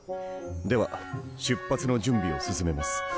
では出発の準備を進めます。